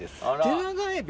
テナガエビ。